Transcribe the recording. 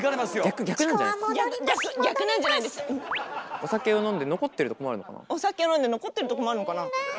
「お酒を飲んで残ってると困るのかな？」。